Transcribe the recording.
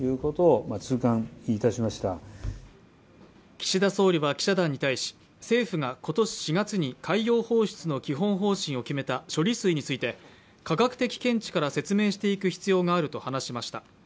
岸田総理は記者団に対し、政府が今年４月に海洋放出の基本方針を決めた処理水について、科学的見地から説明していく必要があると話しました。